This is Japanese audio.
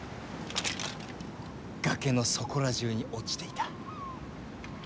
崖のそこら中に落ちていた。